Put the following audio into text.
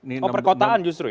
oh perkotaan justru ya